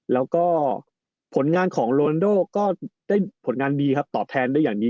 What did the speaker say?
แล้วก็ผลงานของโรนโดก็ได้ผลงานดีครับตอบแทนได้อย่างดี